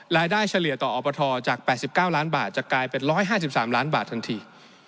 เฉลี่ยต่ออบทจาก๘๙ล้านบาทจะกลายเป็น๑๕๓ล้านบาททันที